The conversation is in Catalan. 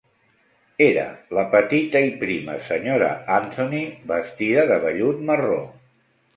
Era la petita i prima Sra. Anthony, vestida de vellut marró.